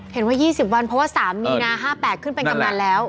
๒๐วันเพราะว่า๓มีนา๕๘ขึ้นเป็นกำนันแล้ว